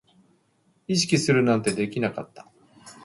意識するなんてできなかった